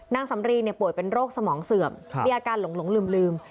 นางสำรีป่วยเป็นโรคสมองเสื่อมมีอาการหลงลืม